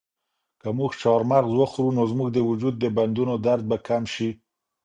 که موږ چهارمغز وخورو نو زموږ د وجود د بندونو درد به کم شي.